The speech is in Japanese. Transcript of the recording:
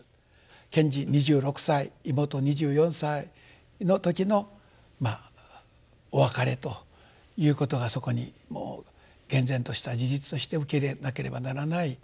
賢治２６歳妹２４歳の時のお別れということがそこにもう厳然とした事実として受け入れなければならない。